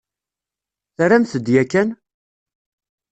Terramt-d yakan?